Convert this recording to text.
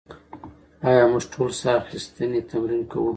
ایا موږ ټول ساه اخیستنې تمرین کوو؟